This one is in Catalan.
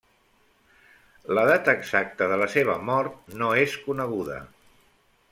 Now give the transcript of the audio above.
La data exacta de la seva mort no és coneguda.